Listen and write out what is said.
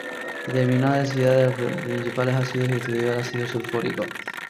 Determinó la densidad de los principales ácidos y estudió el ácido sulfhídrico.